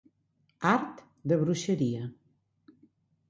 Art de bruixeria.